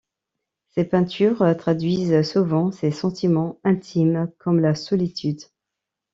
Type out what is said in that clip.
Ses peintures traduisent souvent ses sentiments intimes, comme la solitude.